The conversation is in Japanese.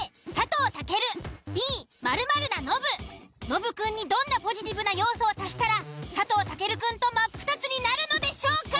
ノブくんにどんなポジティブな要素を足したら佐藤健くんとマップタツになるのでしょうか？